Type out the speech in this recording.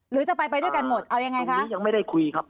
หรือจะไปไปด้วยกันหมดเอายังไงคะยังไม่ได้คุยครับ